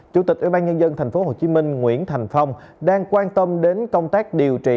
chủ tịch ủy ban nhân dân tp hcm nguyễn thành phong đang quan tâm đến công tác điều trị